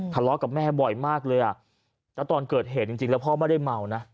ทะเลาะกับแม่บ่อยมากเลยอ่ะแล้วตอนเกิดเหตุจริงแล้วพ่อไม่ได้เมานะ